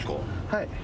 はい。